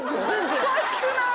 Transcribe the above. おかしくない？